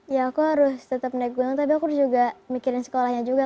ya aku harus tetap naik gunung tapi aku juga mikirin sekolahnya juga